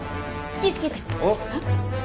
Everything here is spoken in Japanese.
気ぃ付けて。